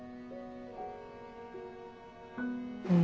うん。